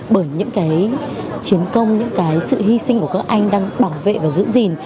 bởi những cái chiến công những cái sự hy sinh của các anh đang bảo vệ và giữ gìn